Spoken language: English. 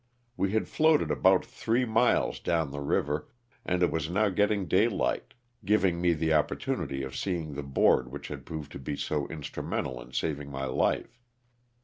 We had floated about three miles down the river and it was now getting daylight, giving me the opportunity of seeing the board which had proved to be 80 instrumental in saving my life.